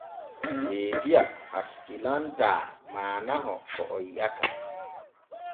Deediya hakkilantaa maanaho ko o yi’ata.